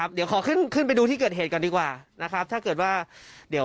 เปลี่ยนมาที่นี่ประมาณ๑นาทีเนี่ย